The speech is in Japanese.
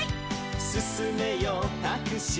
「すすめよタクシー」